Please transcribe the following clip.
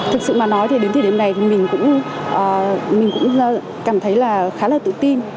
thực sự mà nói thì đến thời điểm này thì mình cũng cảm thấy là khá là tự tin